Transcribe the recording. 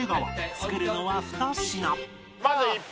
作るのは２品